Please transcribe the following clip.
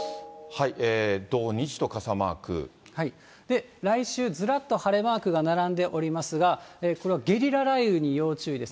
土、来週、ずらっと晴れマークが並んでおりますが、これはゲリラ雷雨に要注意です。